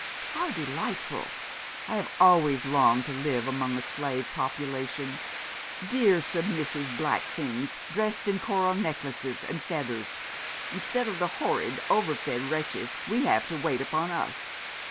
'How delightful. I have always longed to live among a slave population, dear submissive black things dressed in coral necklaces and feathers, instead of the horrid over fed wretches we have to wait upon us.